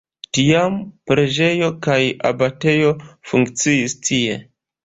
Tiam preĝejo kaj abatejo funkciis tie.